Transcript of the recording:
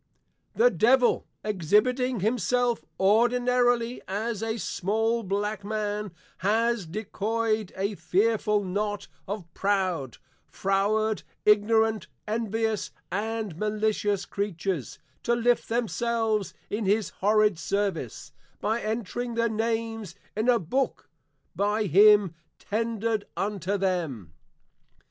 The Devil, Exhibiting himself ordinarily as a small Black man, has decoy'd a fearful knot of proud, froward, ignorant, envious and malicious creatures, to lift themselves in his horrid Service, by entring their Names in a Book by him tendred unto them.